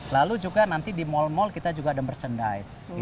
lalu juga nanti di mal mal kita juga ada merchandise